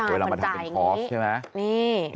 เวลามาทำเป็นคอสใช่ไหมนี่